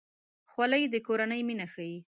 خولۍ د کورنۍ مینه ښيي.